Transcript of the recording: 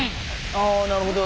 あなるほど。